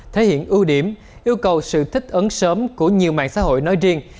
thể hiện ưu điểm yêu cầu sự thích ứng sớm của nhiều mạng xã hội nói riêng